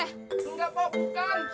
engga bu bukan